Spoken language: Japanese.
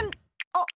あっ！